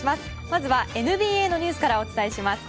まずはＮＢＡのニュースからお伝えします。